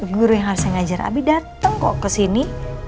guru yang harusnya ngajar abi dateng kok kesini